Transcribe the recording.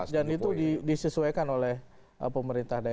dan itu disesuaikan oleh pemerintah daerah